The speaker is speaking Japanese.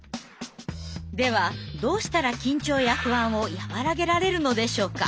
ではどうしたら緊張や不安を和らげられるのでしょうか。